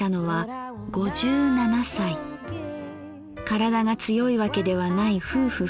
体が強いわけではない夫婦